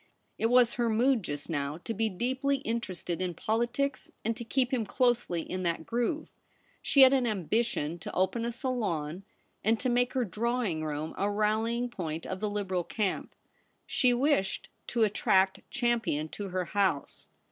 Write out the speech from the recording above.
It was her mood just now to be deeply interested in politics, and to keep him closely in that groove. She had an ambition to open a salon, and to make her drawing room a rallying point of the Liberal camp. She wished to attract Champion to her house.